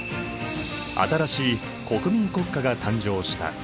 新しい国民国家が誕生した。